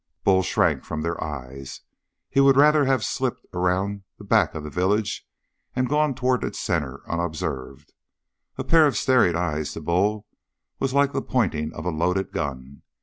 Bull shrank from their eyes. He would far rather have slipped around the back of the village and gone toward its center unobserved. A pair of staring eyes to Bull was like the pointing of a loaded gun.